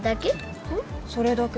それだけ？